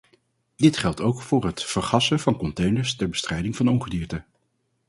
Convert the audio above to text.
Dit geldt ook voor het vergassen van containers ter bestrijding van ongedierte.